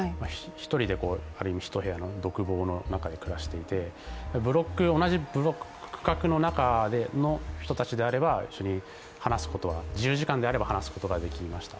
１人で、ある意味、１部屋の独房の中で暮らしていて同じブロック、同じ区画の中の人たちであれば、一緒に、自由時間であれば話すことができました。